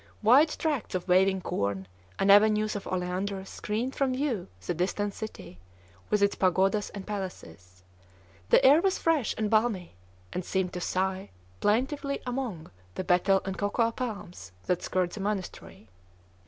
Wide tracts of waving corn and avenues of oleanders screened from view the distant city, with its pagodas and palaces. The air was fresh and balmy, and seemed to sigh plaintively among the betel and cocoa palms that skirt the monastery.